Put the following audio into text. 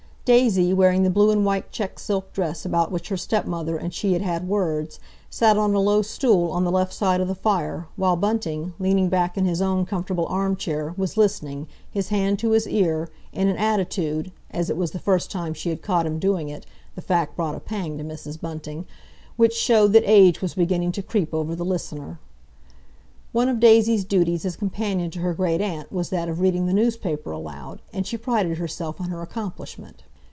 Daisy, wearing the blue and white check silk dress about which her stepmother and she had had words, sat on a low stool on the left side of the fire, while Bunting, leaning back in his own comfortable arm chair, was listening, his hand to his ear, in an attitude—as it was the first time she had caught him doing it, the fact brought a pang to Mrs. Bunting—which showed that age was beginning to creep over the listener. One of Daisy's duties as companion to her great aunt was that of reading the newspaper aloud, and she prided herself on her accomplishment.